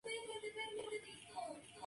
Se convirtió en edecán del monarca.